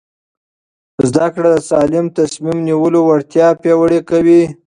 زده کړه د سالم تصمیم نیولو وړتیا پیاوړې کوي.